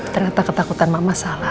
ternyata ketakutan mama salah